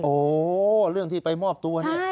โอ้โหเรื่องที่ไปมอบตัวเนี่ย